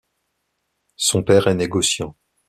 Son père est négociant.